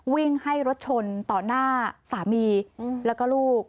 วิ่งให้รถชนต่อหน้าสามีแล้วก็ลูก